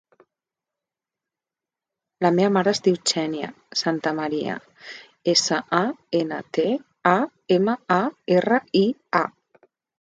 La meva mare es diu Xènia Santamaria: essa, a, ena, te, a, ema, a, erra, i, a.